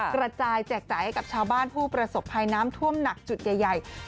กระจายแจกจ่ายให้กับชาวบ้านผู้ประสบภัยน้ำท่วมหนักจุดใหญ่